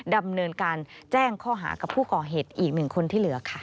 ดำเนินการแจ้งข้อหากับผู้ก่อเหตุอีกหนึ่งคนที่เหลือค่ะ